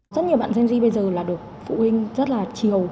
rất nhiều bạn gen z bây giờ là được phụ huynh rất là chiều